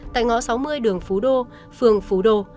tại ngõ sáu mươi đường phú đô phường phú đô